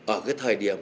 ở cái thời điểm